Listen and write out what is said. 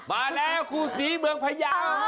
มาแล้วครูศรีเมืองพยาว